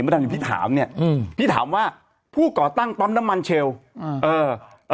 เมื่อดังนี้พี่ถามเนี้ยอืมพี่ถามว่าผู้ก่อตั้งต้อมน้ำมันเชลล์เออ